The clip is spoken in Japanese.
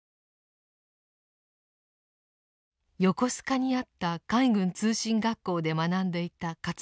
横須賀にあった海軍通信学校で学んでいた勝又さん。